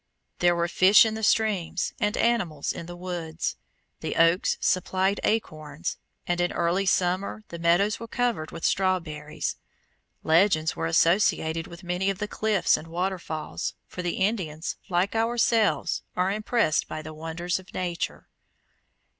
There were fish in the streams and animals in the woods. The oaks supplied acorns, and in early summer the meadows were covered with strawberries. Legends were associated with many of the cliffs and waterfalls, for the Indians, like ourselves, are impressed by the wonders of Nature.